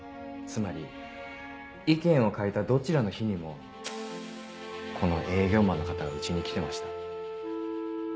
つまり意見を変えたどちらの日にもこの営業マンの方がうちに来てました。